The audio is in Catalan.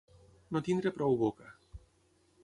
No tenir prou boca.